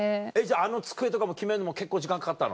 あの机とかも決めるのも結構時間かかったの？